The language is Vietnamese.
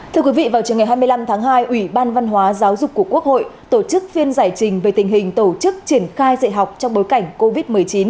thưa quý vị vào trường ngày hai mươi năm tháng hai ủy ban văn hóa giáo dục của quốc hội tổ chức phiên giải trình về tình hình tổ chức triển khai dạy học trong bối cảnh covid một mươi chín